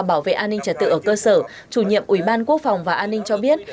bảo vệ an ninh trật tự ở cơ sở chủ nhiệm ủy ban quốc phòng và an ninh cho biết